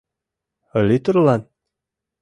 Литрлан?»